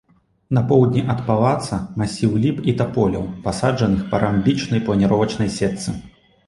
На поўдні ад палаца масіў ліп і таполяў, пасаджаных па рамбічнай планіровачнай сетцы.